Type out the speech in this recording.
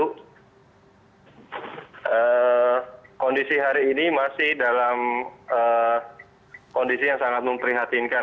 kondisi hari ini masih dalam kondisi yang sangat memprihatinkan